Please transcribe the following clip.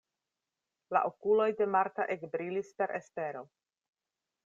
La okuloj de Marta ekbrilis per espero.